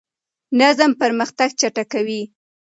نظم پرمختګ چټکوي.